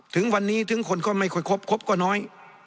ถึงวันนี้ถึงคนก็ไม่ค่อยครบครบก็น้อย